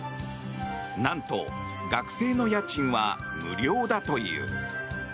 何と、学生の家賃は無料だという。